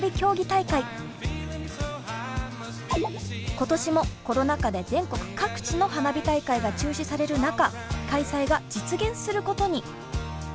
今年もコロナ禍で全国各地の花火大会が中止される中開催が実現することに。